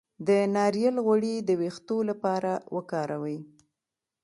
د ناریل غوړي د ویښتو لپاره وکاروئ